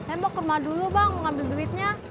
eh mau ke rumah dulu bang ngambil duitnya